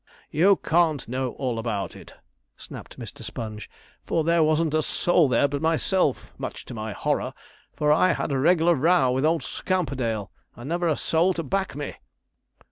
'You can't know all about it!' snapped Mr. Sponge; 'for there wasn't a soul there but myself, much to my horror, for I had a reg'lar row with old Scamperdale, and never a soul to back me.'